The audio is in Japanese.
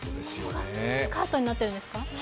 スカートになっているんですか。